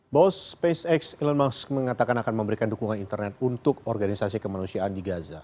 bos spacex elon musk mengatakan akan memberikan dukungan internet untuk organisasi kemanusiaan di gaza